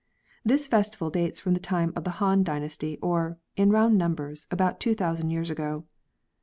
This festival dates from the time of the Han dynasty, or, in round numbers, about two thousand years ago.